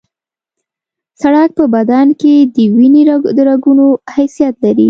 سړک په بدن کې د وینې د رګونو حیثیت لري